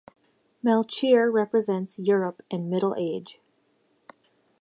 Melchior represents Europe and middle age.